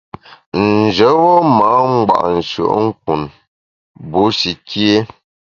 Njebe ma’ ngba’ nshùe’nkun bushi kié.